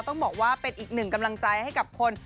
ต้องบอกว่าเป็นอีกหนึ่งกำลังใจให้กับคน